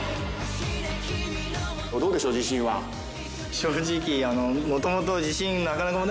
正直。